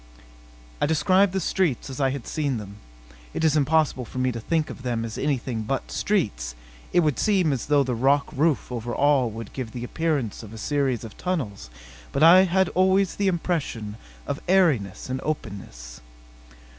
I described the streets as I had seen them. (It is impossible for me to think of them as anything but streets; it would seem as though the rock roof over all would give the appearance of a series of tunnels; but I had always the impression of airiness and openness.)